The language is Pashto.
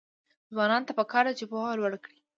ځوانانو ته پکار ده چې، پوهه لوړه کړي.